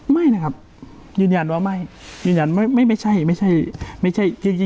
ไม่นะครับยืนยันว่าไม่ยืนยันว่าไม่ใช่ไม่ใช่จริง